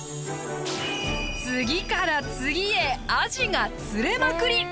次から次へアジが釣れまくり！